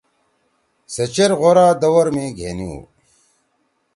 سے چیر غورا دور می گھینی ہُو۔